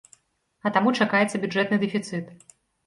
А таму чакаецца бюджэтны дэфіцыт.